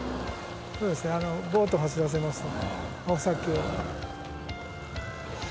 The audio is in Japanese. そうですねボート走らせますと。